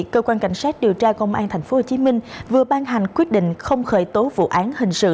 cơ quan cảnh sát điều tra công an tp hcm vừa ban hành quyết định không khởi tố vụ án hình sự